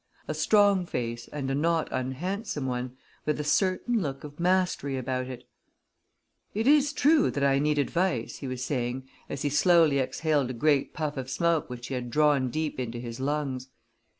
A strong face and a not unhandsome one, with a certain look of mastery about it "It is true that I need advice," he was saying, as he slowly exhaled a great puff of smoke which he had drawn deep into his lungs.